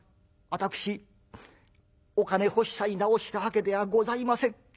私お金欲しさに治したわけではございません。